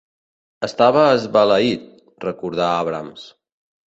"Estava esbalaït", recordà Abrams.